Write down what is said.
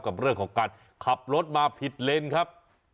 กับเรื่องของการขับรถมาผิดเลนครับ